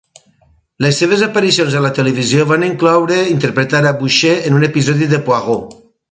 Les seves aparicions a la televisió van incloure interpretar a Boucher en un episodi de Poirot.